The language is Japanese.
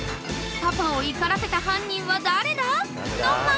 ［パパを怒らせた犯人は誰だ？の巻］